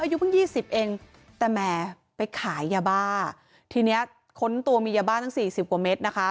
อายุเพิ่ง๒๐เองแต่แหมไปขายยาบ้าทีนี้คนตัวมียาบ้าทั้ง๔๐กว่าเมตรนะคะ